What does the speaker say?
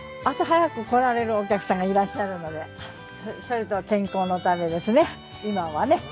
朝早く来られるお客さんがいらっしゃるのでそれと健康のためですね、今はね。